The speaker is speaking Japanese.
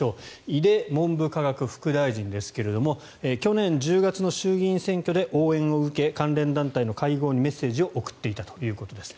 井出文部科学副大臣ですが去年１０月の衆議院選挙で応援を受け、関連団体の会合にメッセージを送っていたということです。